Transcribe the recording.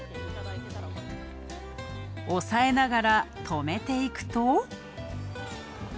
押さえながら留めていくと。